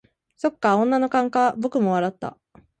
「そっか、女の勘か」僕も笑った。